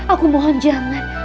aku mohon jangan